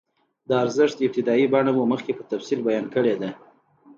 د ارزښت ابتدايي بڼه مو مخکې په تفصیل بیان کړې ده